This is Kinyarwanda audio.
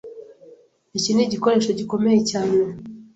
Iki nigikoresho gikomeye cyane.